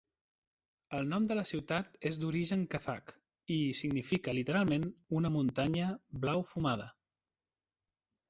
El nom de la ciutat és d'origen kazakh i significa literalment "una muntanya blau fumada".